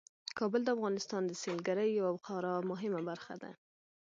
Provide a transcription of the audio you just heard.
کابل د افغانستان د سیلګرۍ یوه خورا مهمه برخه ده.